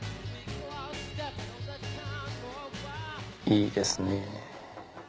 いいですね。